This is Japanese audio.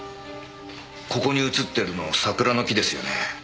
ここに写ってるの桜の木ですよね。